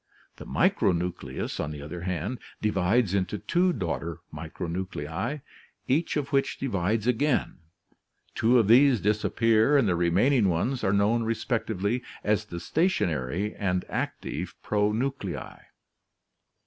The micronucleus, on the other hand, divides into two daughter micronuclei, each of which divides again, two of these disappear and the remaining ones are known respectively as the stationary and active pronuclei.